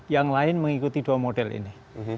yang lain mengikuti dua model ini